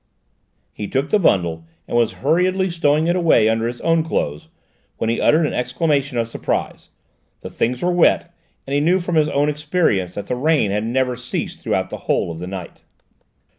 He took the bundle and was hurriedly stowing it away under his own clothes, when he uttered an exclamation of surprise; the things were wet, and he knew from his own experience that the rain had never ceased throughout the whole of the night.